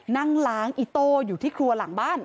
นั่งล้างอิโต้อยู่ที่ครัวหลังบ้าน